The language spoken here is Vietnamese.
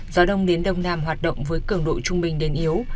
gió đông đến đông nam hoạt động với cường độ trung bình đến yếu